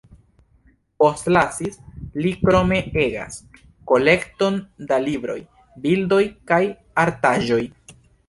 Postlasis li krome egan kolekton da libroj, bildoj kaj artaĵoj.